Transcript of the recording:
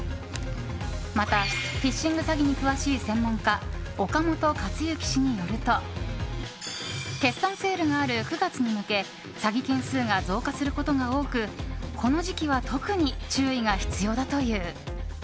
また、フィッシング詐欺に詳しい専門家・岡本勝之氏によると決算セールがある９月に向け詐欺件数が増加することが多くこの時期は特に注意が必要だという。